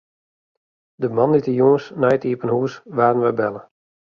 De moandeitejûns nei it iepen hûs waarden wy belle.